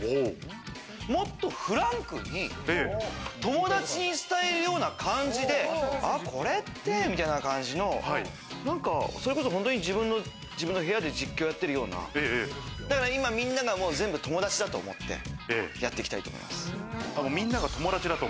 もっとフランクに、友達に伝えるような感じで、あっ、これってみたいな感じの、それこそ本当に自分の部屋で実況をやってるような、だからみんな、友だちだと思ってやっていきたいと思います。